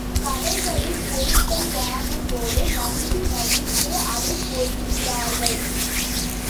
கடைகளில் பொருள் வாங்கும் போது நன்றி நவின்றே அதைப் பெறுகிறார்கள்.